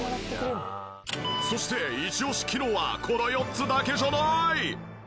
そしてイチオシ機能はこの４つだけじゃない！